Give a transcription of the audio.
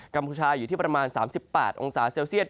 กพูชาอยู่ที่ประมาณ๓๘องศาเซลเซียต